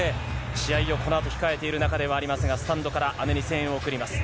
試合をこのあと控えている中ではありますが、スタンドから姉に声援を送ります。